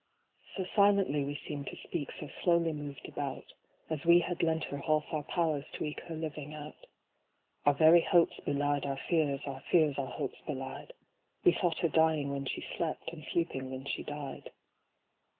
So silently we seem'd to speak, So slowly moved about, As we had lent her half our powers To eke her living out. Our very hopes belied our fears, Our fears our hopes belied We thought her dying when she slept, And sleeping when she died.